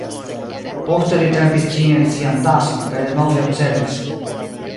Poste li trempis ĝin en sian tason, kaj denove observis.